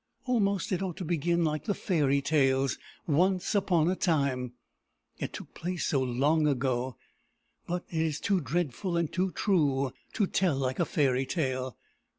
Almost it ought to begin like the fairy tales, Once upon a time, it took place so long ago; but it is too dreadful and too true to tell like a fairy tale.